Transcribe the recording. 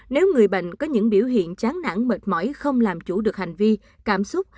nếu người bệnh có những biểu hiện chán nản mệt mỏi không làm chủ được hành vi cảm xúc